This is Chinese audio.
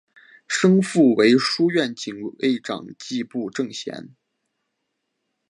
生父为书院警卫长迹部正贤。